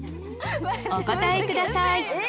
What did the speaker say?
お答えください